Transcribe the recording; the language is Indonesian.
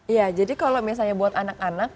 iya jadi kalau misalnya buat anak anak